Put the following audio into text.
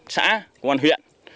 xã công an huyện